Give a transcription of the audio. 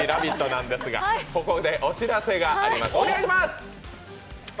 なんですが、ここでお知らせがあります。